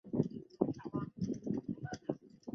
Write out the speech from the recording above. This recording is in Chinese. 这是该国第十五次参加亚运。